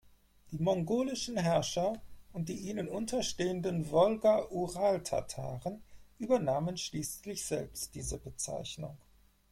Die mongolischen Herrscher und die ihnen unterstehenden Wolga-Ural-Tataren übernahmen schließlich selbst diese Bezeichnung.